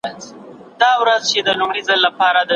نه په مسجد کې شته او نه په درمسال کې شته